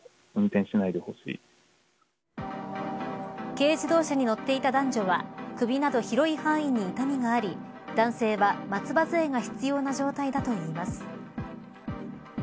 軽自動車に乗っていた男女は首など広い範囲に痛みがあり男性は松葉杖が必要な状態だといいます。